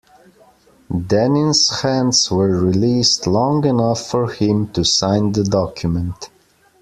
Dennin's hands were released long enough for him to sign the document.